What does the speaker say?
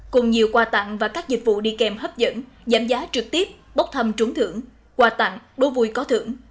cùng nhiều quà tặng và các dịch vụ đi kèm hấp dẫn giảm giá trực tiếp bốc thăm trúng thưởng quà tặng đuối vui có thưởng